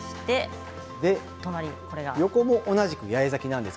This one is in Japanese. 横も同じく八重咲きです。